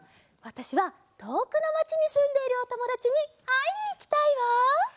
わたしはとおくのまちにすんでいるおともだちにあいにいきたいわ。